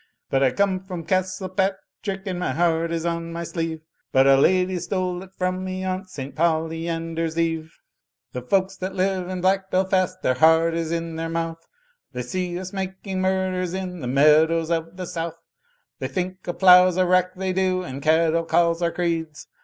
But I come from Castlepatrick and my heart is on my sleeve. But a lady stole it from me on St Poleyander's Eve. "The folks that live in black Belfast, their heart is in their mouth; They see us making murders in the meadows of the South ; They think a plough's a rack they do, and cattle calls are creeds.